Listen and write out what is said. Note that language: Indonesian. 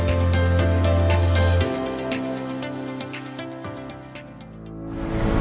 untuk menghubungi kode otp